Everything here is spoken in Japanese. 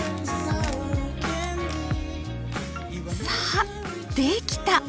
さあできた！